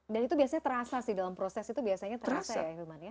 dan itu biasanya terasa sih dalam proses itu biasanya terasa ya